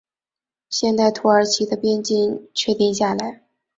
现代土耳其的边境确定下来。